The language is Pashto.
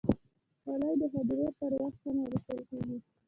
خولۍ د هدیرې پر وخت هم اغوستل کېږي.